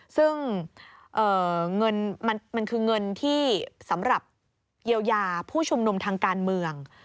ซึ่งเงินมันคือเงินที่สำหรับเยียวยาผู้ชุมนุมทางการเมือง